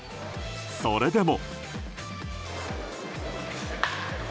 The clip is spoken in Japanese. それでも。